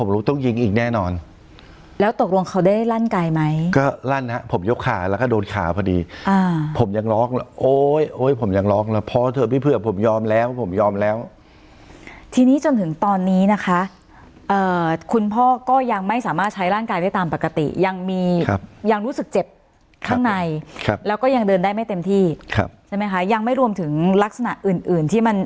รอบขาแล้วก็โดนขาพอดีอ่าผมยังรอบโอ้ยโอ้ยผมยังรอบแล้วพ่อเธอไม่เผื่อผมยอมแล้วผมยอมแล้วทีนี้จนถึงตอนนี้นะคะเอ่อคุณพ่อก็ยังไม่สามารถใช้ร่างกายได้ตามปกติยังมีครับยังรู้สึกเจ็บข้างในครับแล้วก็ยังเดินได้ไม่เต็มที่ครับใช่ไหมคะยังไม่รวมถึงลักษณะอื่นอื่นที่มั